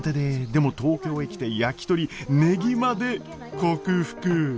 でも東京へ来て焼き鳥ねぎまで克服。